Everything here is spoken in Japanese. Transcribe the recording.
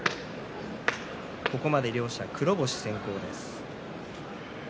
ここまで両者、黒星先行です。